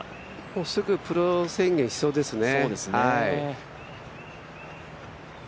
すぐプロ宣言しそうですね。